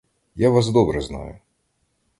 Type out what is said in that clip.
Я вас добре знаю.